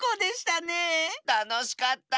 たのしかった。